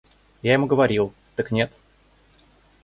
Я ему говорил, так нет.